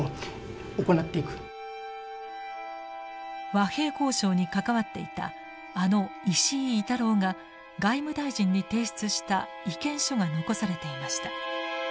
和平交渉に関わっていたあの石射猪太郎が外務大臣に提出した意見書が残されていました。